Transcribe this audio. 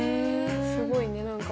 すごいね何か。